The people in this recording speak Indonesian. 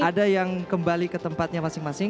ada yang kembali ke tempatnya masing masing